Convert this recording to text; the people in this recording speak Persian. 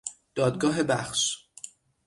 دادگاه بخش